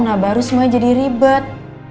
nah baru semuanya jadi ribet